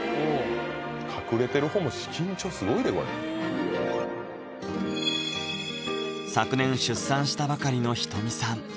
隠れてるほうも緊張すごいでこれ昨年出産したばかりの仁美さん